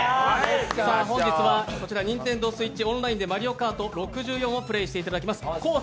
本日はＮｉｎｔｅｎｄｏＳｗｉｔｃｈＯｎｌｉｎｅで「マリオカート６４」をプレーしていただきますコース